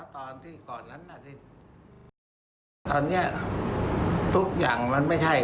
ตอนที่ก่อนนั้นตอนนี้ทุกอย่างมันไม่ใช่